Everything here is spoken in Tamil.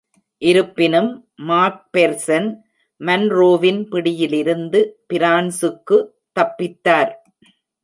இருப்பினும் மாக்பெர்சன் மன்ரோவின் பிடியிலிருந்து பிரான்சுக்கு தப்பித்தார்.